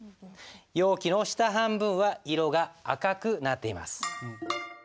容器の下半分は色が赤くなっています。